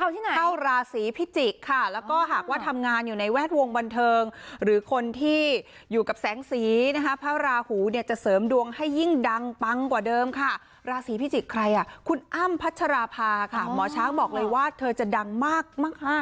ค่ะหมอช้างบอกเลยว่าเธอจะดังมากมากมากเลยนะคะ